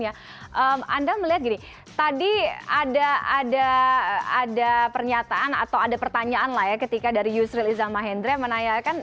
anda melihat gini tadi ada pernyataan atau ada pertanyaan lah ya ketika dari yusril iza mahendra menanyakan